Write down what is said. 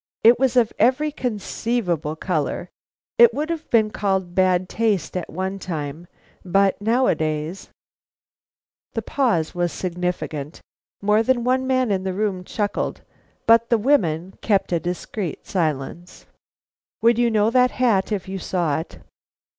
It was of every conceivable color. It would have been called bad taste at one time, but now a days " The pause was significant. More than one man in the room chuckled, but the women kept a discreet silence. "Would you know that hat if you saw it?"